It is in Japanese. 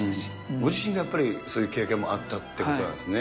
ご自身がやっぱり、そういう経験もあったっていうことなんですね。